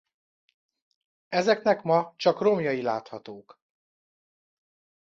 Ezeknek ma csak romjai láthatók.